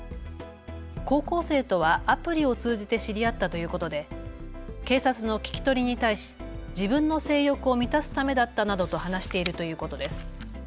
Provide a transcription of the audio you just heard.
高校生とはアプリを通じて知り合ったということで警察の聞き取りに対し自分の性欲を満たすためだったなどと話しているということです。